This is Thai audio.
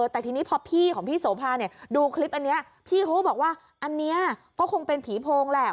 แต่ทีนี้พอพี่ของพี่โสภาเนี่ยดูคลิปอันนี้พี่เขาก็บอกว่าอันนี้ก็คงเป็นผีโพงแหละ